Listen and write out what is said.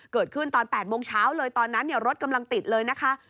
เกิดขึ้นตอน๘โมงเช้าเลยตอนนั้นรถกำลังติดเลยนะคะ